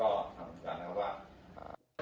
ครับแล้วก็ทำอย่างนั้นครับว่า